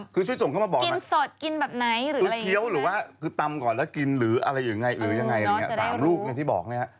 คือช่วยส่งเข้ามาบอกแมมหรือไงคือเคี้ยวหรือว่าตำก่อนแล้วกินหรืออะไรอย่างไร๓ลูกอย่างที่บอกแมม